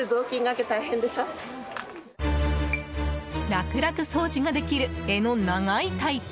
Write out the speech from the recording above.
楽々掃除ができる柄の長いタイプ！